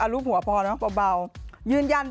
อ้าวลูบหัวพอเนอะเบา